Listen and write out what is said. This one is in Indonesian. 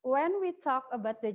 ketika kita bicara tentang